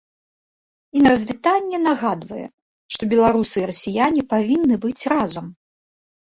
І на развітанне нагадвае, што беларусы і расіяне павінны быць разам.